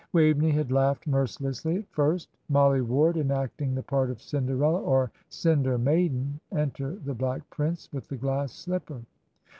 Waveney had laughed mercilessly at first. "Mollie Ward enacting the part of Cinderella or Cinder Maiden enter the Black Prince with the glass slipper.